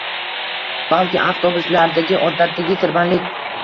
Balki avtobuslardagi odatdagi tirbandlik.